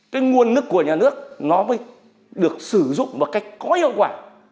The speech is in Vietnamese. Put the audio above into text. cái nguồn nước của nhà nước nó mới được sử dụng một cách có hiệu quả